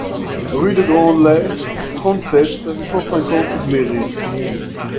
Rue de Grandlay, trente-sept, cent cinquante Bléré